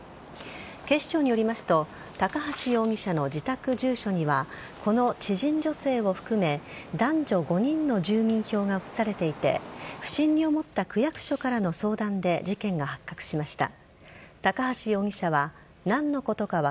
警視庁によりますと高橋容疑者の自宅住所にはこの知人女性を含め男女５人の住民票が移されていて不審に思った区役所からの相談で事件が発覚しました。